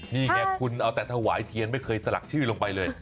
นี่ไงคุณเอาแต่ถวายเทียนไม่เคยสลักชื่อลงไปเลย